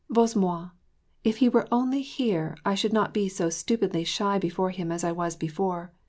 " Bozhe mot ! if he were only here I should not be so stupidly shy before him as I was before.